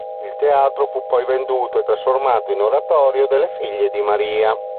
Il teatro fu poi venduto e trasformato in oratorio delle figlie di Maria.